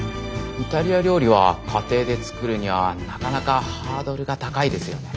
イタリア料理は家庭で作るにはなかなかハードルが高いですよね。